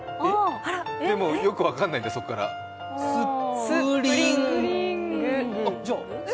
でもよく分からないんだ、そこからスプリング。